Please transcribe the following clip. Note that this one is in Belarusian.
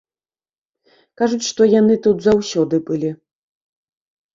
Кажуць, што яны тут заўсёды былі.